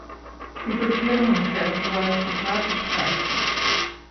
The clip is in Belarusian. І толькі ірландцы адчуваюць на працы шчасце.